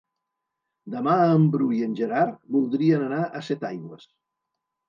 Demà en Bru i en Gerard voldrien anar a Setaigües.